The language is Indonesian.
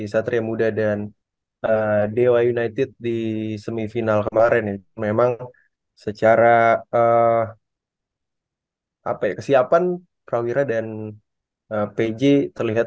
satria muda dan dewa united di semifinal kemarin yang memang secara apa ya kesiapan prawira dan pj terlihat